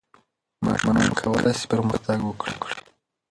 ماشومان کولای سي پرمختګ وکړي.